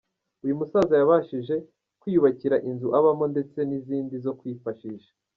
Uyu musaza yabashije kwiyubakira inzu abamo ndetse n'izindi zo kwifashisha.